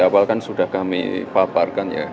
awal kan sudah kami paparkan ya